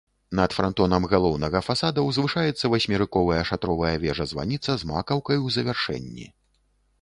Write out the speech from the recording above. Над франтонам галоўнага фасада ўзвышаецца васьмерыковая шатровая вежа-званіца з макаўкай у завяршэнні.